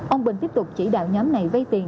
ông bình tiếp tục chỉ đạo nhóm này vay tiền